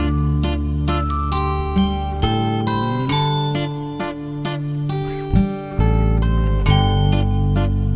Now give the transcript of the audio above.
ขอบคุณมากขอบคุณได้ที่รับข่ายกันทำกันมากนะครับครับตอนนี้นะครับ